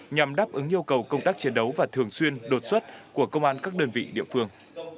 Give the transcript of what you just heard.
nhằm đáp ứng yêu cầu công tác chiến đấu và thường xuyên đột xuất của công an các đơn vị địa phương